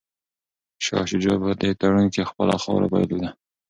شاه شجاع په دې تړون کي خپله خاوره بایلوده.